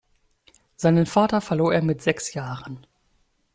Seinen Vater verlor er mit sechs Jahren.